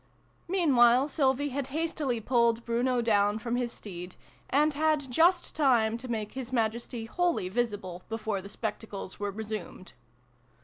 Meanwhile Sylvie had hastily pulled Bruno down from his steed, and had just time to make His Majesty wholly visible before the spectacles were resumed.